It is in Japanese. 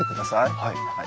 はい。